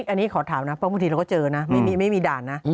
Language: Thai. อันนี้ขอถามนะเพราะบางทีเราก็เจอนะไม่มีด่านนะ